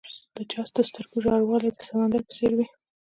د چا د سترګو ژوروالی د سمندر په څېر وي.